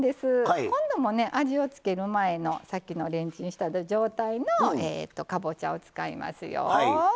今度も味を付ける前のさっきのレンチンした状態のかぼちゃを使いますよ。